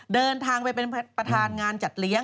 เดินทางไปเป็นประธานงานจัดเลี้ยง